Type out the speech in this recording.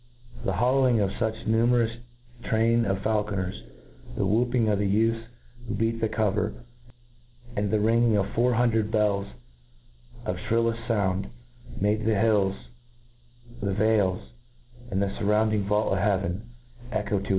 The hollowing of fuch a numerous tnun of faulconers, the whoojHng of the youths^ who beat the cover, and the ringing of four hun dred bells of ihrill^fl: fo\ind, made the hills, the vales, and the all furrounding vault of heaven, echo to.